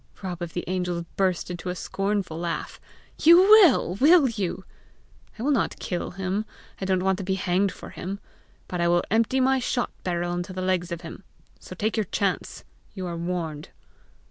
Rob of the Angels burst into a scornful laugh. "You will! will you?" "I will not kill him; I don't want to be hanged for him! but I will empty my shot barrel into the legs of him! So take your chance; you are warned!"